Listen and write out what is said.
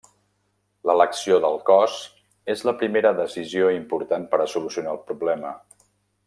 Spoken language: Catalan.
L'elecció del cos és la primera decisió important per a solucionar el problema.